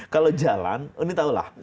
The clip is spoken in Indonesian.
kalau jalan ini tau lah